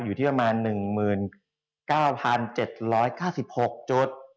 อยู่ที่ประมาณ๑๙๗๙๖จุด